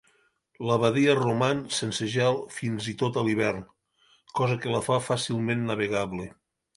La badia roman sense gel fins i tot a l'hivern, cosa que la fa fàcilment navegable.